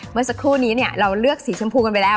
เมื่อสักครู่นี้เราเลือกสีชมพูกันไปแล้ว